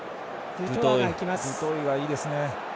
デュトイがいいですね。